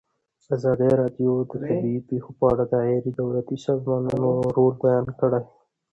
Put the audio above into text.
ازادي راډیو د طبیعي پېښې په اړه د غیر دولتي سازمانونو رول بیان کړی.